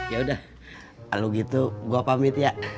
ya udah kalau gitu gue pamit ya